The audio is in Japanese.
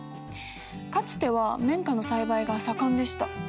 かつては綿花の栽培が盛んでした。